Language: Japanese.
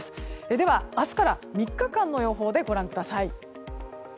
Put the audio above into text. では、明日から３日間の予報でご覧ください。